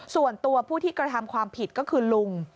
ส่วนตัวผู้ที่กระทำความผิดก็คือลุง